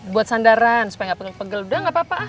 buat sandaran supaya gak pegel udah gak apa apa